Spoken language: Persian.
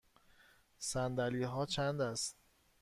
صندلی ها چند است؟